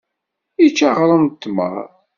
Yečča aɣrum d tmeṛ